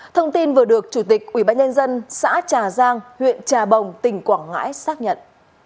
thông tin vừa được chủ tịch ubnd xã trà giang huyện trà bồng tỉnh quảng ngãi xác nhận